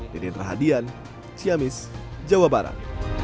deden rahadian ciamis jawa barat